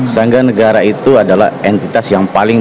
sehingga negara itu adalah entitas yang paling